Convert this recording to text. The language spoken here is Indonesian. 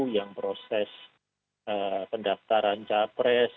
yang proses pendaftaran capres